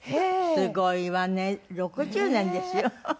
すごいわね６０年ですよ。